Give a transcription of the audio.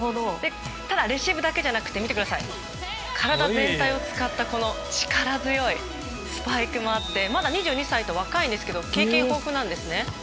ただ、レシーブだけじゃなくて体全体を使った力強いスパイクもあってまだ２２歳と若いんですけど経験豊富なんですね。